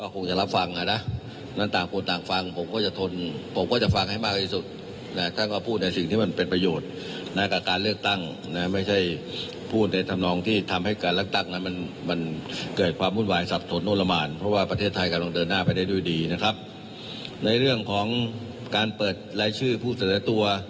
การเปิดรายชื่อผู้เสนอตัว